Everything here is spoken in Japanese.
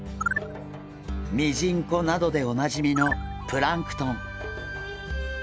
ミジンコなどでおなじみのプランクトン。